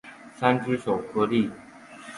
三只手合力。